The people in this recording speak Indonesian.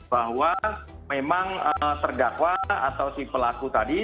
bahwa memang terdakwa atau si pelaku tadi